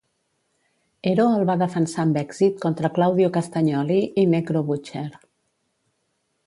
Hero el va defensar amb èxit contra Claudio Castagnoli i Necro Butcher.